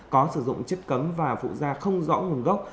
có sử dụng chất cấm và phụ da không rõ nguồn gốc